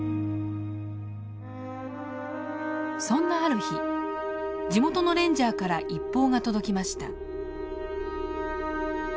そんなある日地元のレンジャーから一報が届きました。